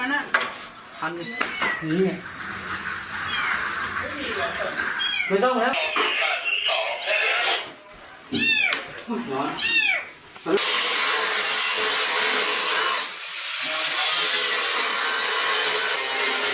อันดับที่สุดท้ายก็จะเป็นอันดับที่สุดท้าย